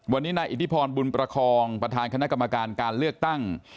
วันนี้นายอิทธิพรบุญประคองประธานคณะกรรมการการเลือกตั้ง